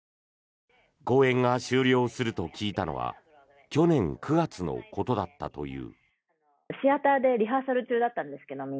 公演が終了すると聞いたのは去年９月のことだったという。